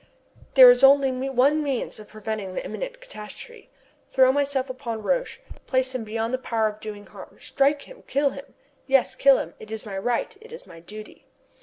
There is only one means of preventing the imminent catastrophe. Throw myself upon Roch, place him beyond the power of doing harm strike him kill him yes, kill him! It is my right it is my duty!